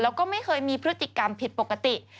แล้วก็ไม่เคยมีพฤติกรรมผิดปกติ